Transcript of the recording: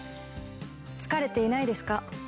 疲れていないですか？